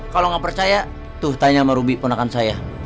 kalau nggak percaya tuh tanya sama ruby ponakan saya